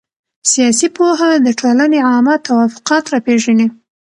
سياسي پوهه د ټولني عامه توافقات را پېژني.